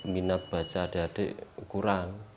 minat baca adik adik kurang